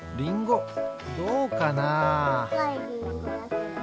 どうかな？